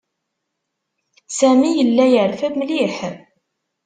Sami yella yerfa mliḥ.